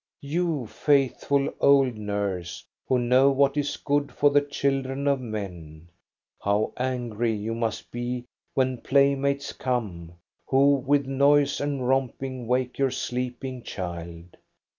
You faithful old nurse, who know what is good for the children of men, how angry you must be when playmates come, who with noise and romping wake your sleep ing child.